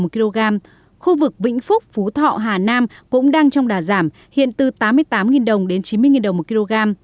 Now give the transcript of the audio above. khu vực vĩnh phúc phú thọ hà nam cũng đang trong đà giảm hiện từ tám mươi tám đồng đến chín mươi đồng một kg